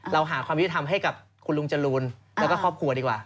เราหาความยุติธรรมให้กับคุณลุงจรูนแล้วก็ครอบครัวดีกว่า